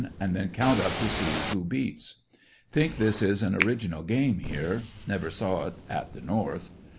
and then count up to see who bciits. Think this is an original game here, never saw it at the North.